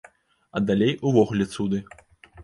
А далей увогуле цуды.